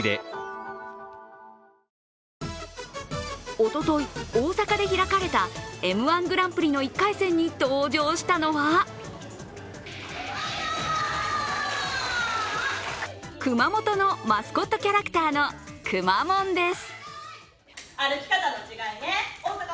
おととい、大阪で開かれた「Ｍ−１グランプリ」の１回戦に登場したのは熊本のマスコットキャラクターのくまモンです。